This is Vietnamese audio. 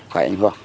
phải ảnh hưởng